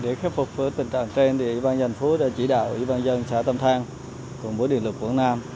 để khép phục tình trạng trên thì ủy ban giành phố đã chỉ đạo ủy ban dân xã tam thăng cùng với điện lực quảng nam